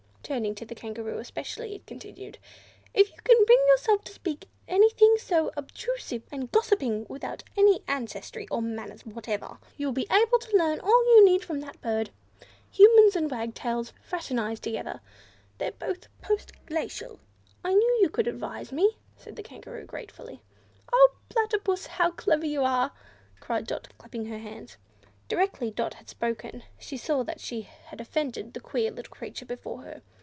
Turning to the Kangaroo especially, it continued, "If you can bring yourself to speak to anything so obtrusive and gossiping, without any ancestry or manners whatever, you will be able to learn all you need from that bird. Humans and Wagtails fraternise together. They're both post glacial." "I knew you could advise me," said the Kangaroo gratefully. "Oh! Platypus, how clever you are!" cried Dot, clapping her hands. Directly Dot had spoken she saw that she had offended the queer little creature before her.